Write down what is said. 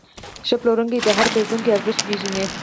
ښه پلورونکی د هر پیرودونکي ارزښت پېژني.